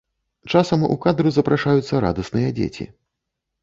Часам у кадр запрашаюцца радасныя дзеці.